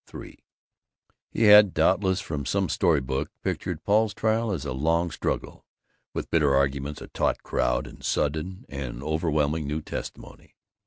III He had, doubtless from some story book, pictured Paul's trial as a long struggle, with bitter arguments, a taut crowd, and sudden and overwhelming new testimony.